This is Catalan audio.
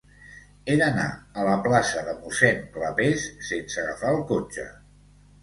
He d'anar a la plaça de Mossèn Clapés sense agafar el cotxe.